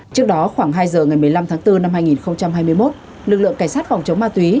trước đó khoảng hai giờ ngày một mươi năm tháng bốn năm hai nghìn hai mươi một lực lượng cảnh sát phòng chống ma túy